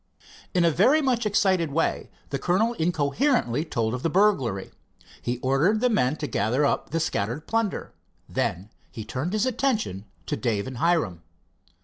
In a very much excited way the colonel incoherently told of the burglary. He ordered the men to gather up the scattered plunder. Then he turned his attention to Dave and Hiram.